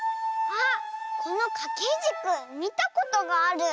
あっこのかけじくみたことがある。